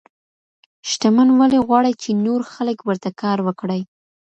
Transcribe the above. شتمن ولي غواړي چي نور خلګ ورته کار وکړي؟